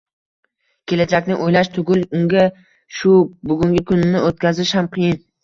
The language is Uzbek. Kelajakni o‘ylash tugul unga shu bugungi kunini o‘tkazish ham qiyin.